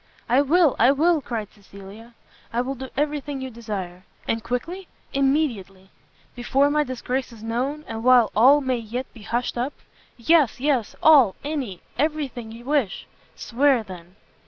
"I will! I will!" cried Cecilia, "I will do every thing you desire!" "And quickly?" "Immediately." "Before my disgrace is known? and while all may yet be hushed up?" "Yes, yes! all any every thing you wish!" "Swear, then!"